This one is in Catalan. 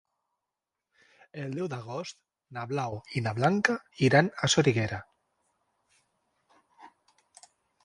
El deu d'agost na Blau i na Blanca iran a Soriguera.